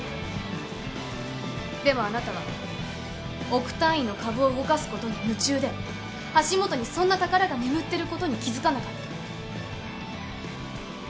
でもあなたは億単位の株を動かすことに夢中で足元にそんな宝が眠ってることに気付かなかった。